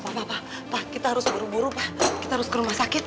pak pak pak pak kita harus buru buru pak kita harus ke rumah sakit